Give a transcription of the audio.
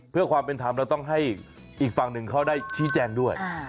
เพื่อความเป็นธรรมเราต้องให้อีกฝั่งหนึ่งเขาได้ชี้แจงด้วย